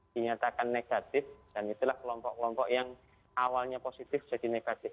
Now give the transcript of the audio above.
dinyatakan negatif dan itulah kelompok kelompok yang awalnya positif jadi negatif